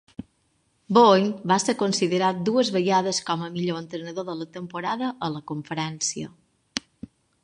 Boyd va ser considerat dues vegades com a Millor entrenador de la temporada a la conferència.